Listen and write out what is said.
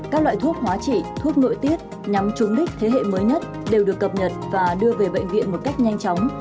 các loại thuốc hóa trị thuốc nội tiết nhắm trúng đích thế hệ mới nhất đều được cập nhật và đưa về bệnh viện một cách nhanh chóng